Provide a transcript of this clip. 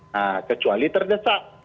nah kecuali terdesak